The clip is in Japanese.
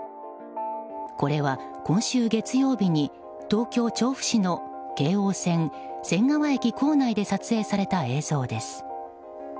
これは今週月曜日に東京・調布市の京王線、仙川駅構内で撮影された映像です。